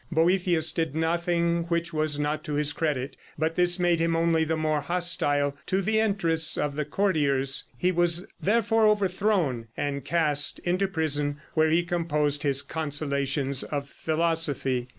Boethius did nothing which was not to his credit, but this made him only the more hostile to the interests of the courtiers; he was therefore overthrown and cast into prison, where he composed his 'Consolations of Philosophy.'